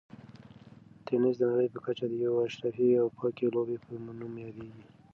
تېنس د نړۍ په کچه د یوې اشرافي او پاکې لوبې په نوم یادیږي.